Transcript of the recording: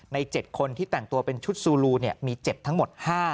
๗คนที่แต่งตัวเป็นชุดซูลูมีเจ็บทั้งหมด๕